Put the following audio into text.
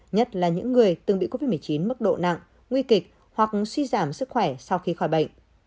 nhất là những người từng bị covid một mươi chín mức độ nặng nguy kịch hoặc suy giảm sức khỏe sau khi khỏi bệnh